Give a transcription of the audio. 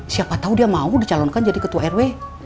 siapa tahu dia mau dicalonkan jadi ketua rw